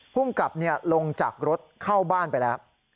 ภูมิกับลงจากรถเข้าบ้านไปแล้ว